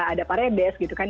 ada paredes gitu kan